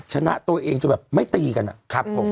ชนะตัวเองจนแบบไม่ตีกันอะ